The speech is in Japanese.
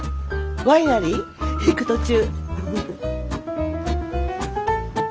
ワイナリー行く途中。